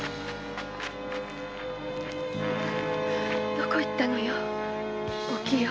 どこへ行ったのよお清。